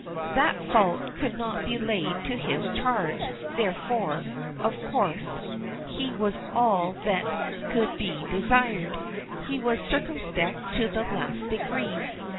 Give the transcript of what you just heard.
That fault could not be laid to his charge, therefore, of course, he was all that could be desired. He was circumspect to the last degree.